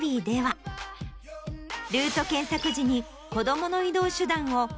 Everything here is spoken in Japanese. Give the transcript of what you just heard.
ルート検索時に子供の移動手段を。